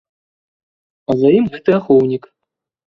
А за ім гэты ахоўнік.